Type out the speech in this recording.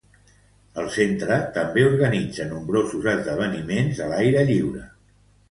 El centre també organitza nombrosos esdeveniments a l'aire lliure.